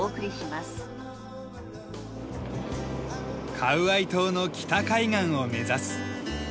カウアイ島の北海岸を目指す。